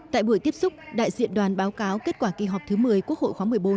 tại buổi tiếp xúc đại diện đoàn báo cáo kết quả kỳ họp thứ một mươi quốc hội khóa một mươi bốn